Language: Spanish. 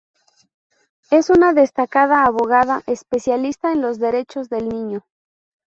Es una destacada abogada especialista en los Derechos del niño.